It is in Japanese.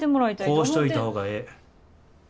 こうしといた方がええ。